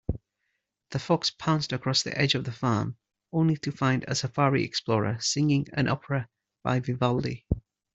The fox pounced across the edge of the farm, only to find a safari explorer singing an opera by Vivaldi.